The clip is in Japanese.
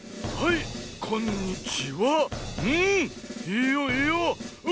いいよいいよ。